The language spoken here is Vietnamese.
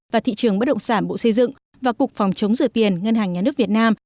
và thị trường bất động sản bộ xây dựng và cục phòng chống rửa tiền ngân hàng nhà nước việt nam